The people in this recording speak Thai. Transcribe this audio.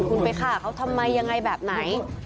คุณไปฆ่าเขาทำไมยังไงแบบไหน